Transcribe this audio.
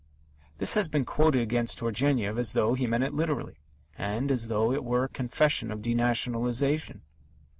This has been quoted against Turgenev as though he meant it literally, and as though it were a confession of denationalization.